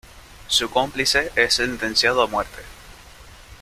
Su cómplice es sentenciado a muerte.